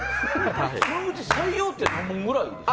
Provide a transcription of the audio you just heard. そのうち採用って何問くらいですか？